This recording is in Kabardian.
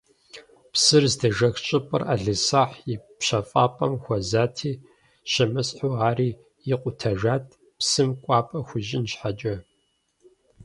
Псыр здежэх щӏыпӏэр ӏэлисахь и пщэфӏапӏэм хуэзати, щымысхьу ари икъутэжат, псым кӏуапӏэ хуищӏын щхьэкӏэ.